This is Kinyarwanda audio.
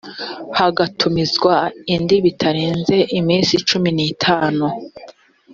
hagatumizwa indi bitarenze iminsi cumi n’itanu